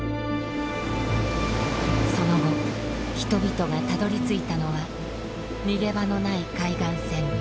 その後人々がたどりついたのは逃げ場のない海岸線。